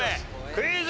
クイズ。